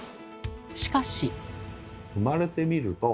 しかし。